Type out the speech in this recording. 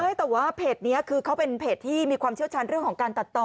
ใช่แต่ว่าเพจนี้คือเขาเป็นเพจที่มีความเชี่ยวชาญเรื่องของการตัดต่อ